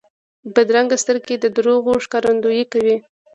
بدرنګه سترګې د دروغو ښکارندویي کوي